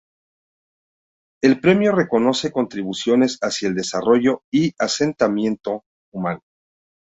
El premio reconoce contribuciones hacia el desarrollo y asentamiento humanos.